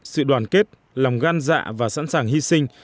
sự đoàn kết lòng gan dạ và sẵn sàng hy sinh